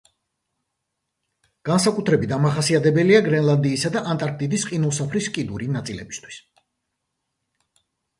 განსაკუთრებით დამახასიათებელია გრენლანდიისა და ანტარქტიდის ყინულსაფრის კიდური ნაწილებისათვის.